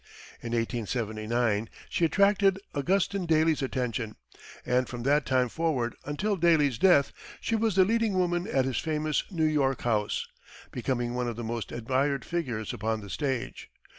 In 1879, she attracted Augustin Daly's attention, and from that time forward until Daly's death, she was the leading woman at his famous New York house, becoming one of the most admired figures upon the stage.